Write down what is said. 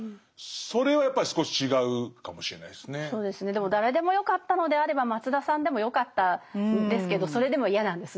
でも誰でもよかったのであれば松田さんでもよかったんですけどそれでも嫌なんですね。